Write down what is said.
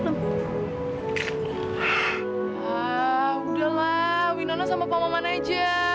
pak udahlah winona sama pak maman aja